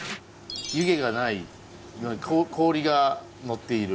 湯気がない氷がのっている。